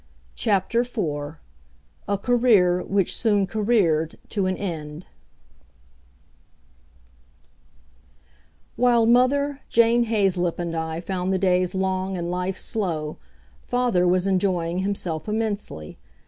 CHAPTER FOUR A Career Which Soon Careered To An End While mother, Jane Haizelip, and I found the days long and life slow, father was enjoying himself immensely.